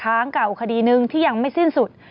เก่าคดีหนึ่งที่ยังไม่สิ้นสุด